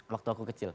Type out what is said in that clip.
waktu aku kecil